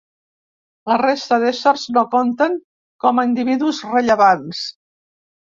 La resta d'éssers no compten com a individus rellevants.